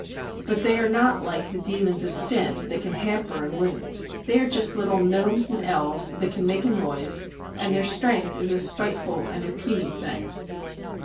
But they are not like the demons of sin that can hamper and wound; they are just little gnomes and elves that can make a noise, and their strength is a spiteful and a puny thing.